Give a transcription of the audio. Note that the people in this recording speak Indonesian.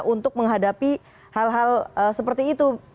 untuk menghadapi hal hal seperti itu